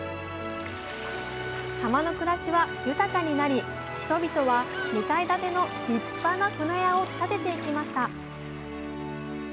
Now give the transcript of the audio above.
浜の暮らしは豊かになり人々は２階建ての立派な舟屋を建てていきました